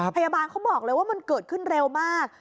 พยาบาลเขาบอกเลยว่ามันเกิดขึ้นเร็วมาก